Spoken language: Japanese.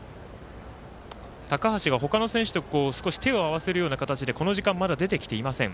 高橋が他の選手と手を合わせるような形でこの時間、まだ出てきていません。